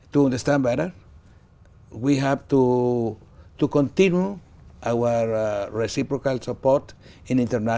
tôi đã đến nhiều mùa hè ở việt nam